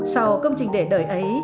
sau công trình để đời ấy